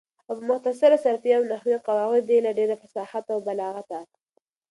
او په مختصر صرفیه او نحویه قواعدو یې له ډېره فصاحته او بلاغته